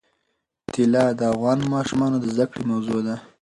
طلا د افغان ماشومانو د زده کړې موضوع ده.